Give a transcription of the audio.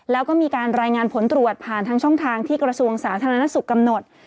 แล้วก็มีการรายงานผลตรวจผ่านทางช่องทางที่กระทรวงสาธารณสุขกำหนด